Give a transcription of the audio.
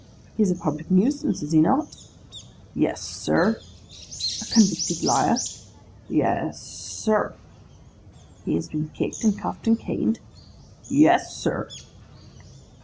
He is a public nuisance, is he not?' 'Yes, sir.' 'A convicted liar?' 'Yes, sir.' 'He has been kicked, and cuffed, and caned?' 'Yes, sir.